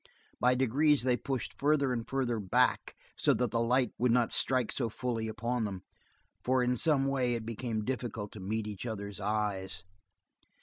By degrees they pushed farther and farther back so that the light would not strike so fully upon them, for in some way it became difficult to meet each other's eyes.